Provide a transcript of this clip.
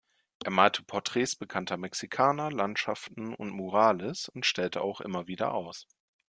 Er malte Porträts bekannter Mexikaner, Landschaften und Murales und stellte auch immer wieder aus.